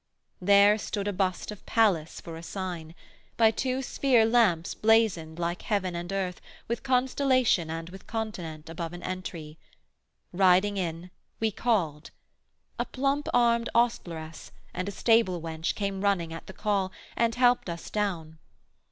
There stood a bust of Pallas for a sign, By two sphere lamps blazoned like Heaven and Earth With constellation and with continent, Above an entry: riding in, we called; A plump armed Ostleress and a stable wench Came running at the call, and helped us down.